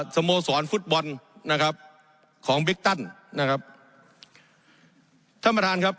สโมสรฟุตบอลนะครับของบิ๊กตันนะครับท่านประธานครับ